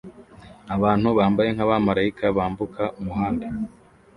abantu bambaye nkabamarayika bambuka umuhanda